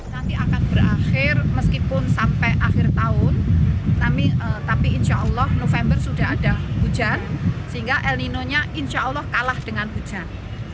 nanti akan berakhir meskipun sampai akhir tahun tapi insya allah november sudah ada hujan sehingga el nino nya insya allah kalah dengan hujan